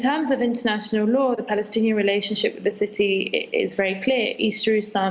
peraturan internasional hubungan palestina dengan kota itu sangat jelas jerusalem